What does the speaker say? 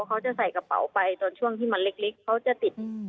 เขาจะใส่กระเป๋าไปตอนช่วงที่มันเล็กเขาจะติด